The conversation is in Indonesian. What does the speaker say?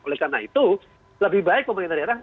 oleh karena itu lebih baik pemerintah daerah